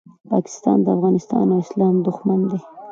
پاکستان د افغانستان او اسلام دوښمن دی